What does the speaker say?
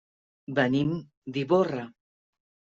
Venim d'Ivorra.